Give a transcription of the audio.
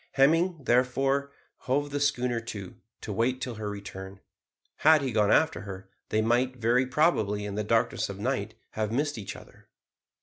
Hemming, therefore, hove the schooner to, to wait till her return. Had he gone after her they might very probably, in the darkness of night, have missed each other.